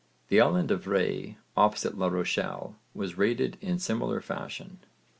The Island of Rhé opposite La Rochelle, was raided in similar fashion.